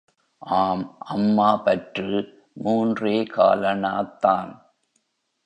ஆம், அம்மா பற்று மூன்றே காலணாத்தான்.